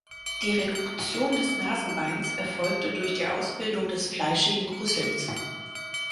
Die Reduktion des Nasenbeins erfolgte durch die Ausbildung des fleischigen Rüssels.